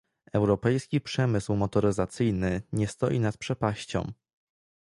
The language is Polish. Europejski przemysł motoryzacyjny nie stoi nad przepaścią